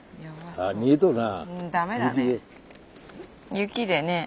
雪でね。